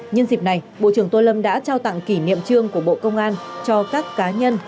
nhân dịp này bộ trưởng tô lâm đã trao tặng kỷ niệm trương của bộ công an cho các cá nhân